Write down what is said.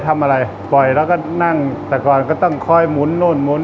สวัสดีครับผมชื่อสามารถชานุบาลชื่อเล่นว่าขิงถ่ายหนังสุ่นแห่ง